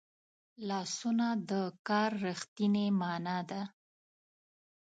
لاسونه د کار رښتینې مانا ده